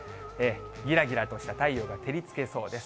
ぎらぎらとした太陽が照りつけそうです。